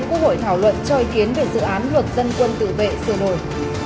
quốc hội thảo luận cho ý kiến về dự án luật dân quân tự vệ sửa đổi